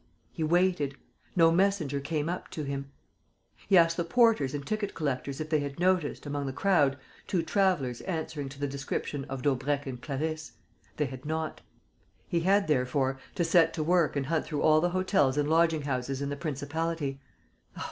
He waited. No messenger came up to him. He asked the porters and ticket collectors if they had noticed, among the crowd, two travellers answering to the description of Daubrecq and Clarisse. They had not. He had, therefore, to set to work and hunt through all the hotels and lodging houses in the principality.